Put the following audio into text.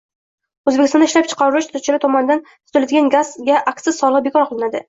O‘zbekistonda ishlab chiqaruvchilar tomonidan sotiladigan gazga aksiz solig‘i bekor qilinadi